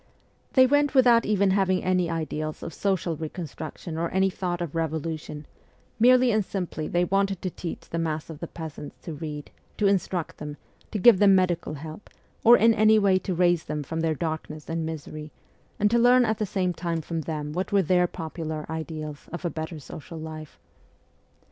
They went without even having any ideals of social reconstruction or any thought of revolution ; merely and simply they wanted to teach the mass of the peasants to read, to instruct them, to give them medical help, or in any way to aid to raise them from their darkness and misery, and to learn at the same time from them what were their popular ideals of a better social life.